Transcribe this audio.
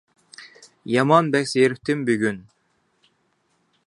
يامان بەك زېرىكتىم بۈگۈن!